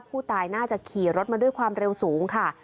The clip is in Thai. ผู้ตายน่าจะขี่รถมาด้วยความเร็วสูงค่ะ